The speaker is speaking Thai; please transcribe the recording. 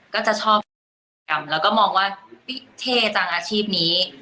ก็จะชอบแล้วก็มองว่าเท่จังอาชีพนี้